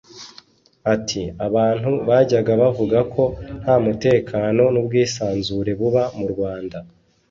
Ati “Abantu bajyaga bavuga ko nta mutekano n’ubwisanzure buba mu Rwanda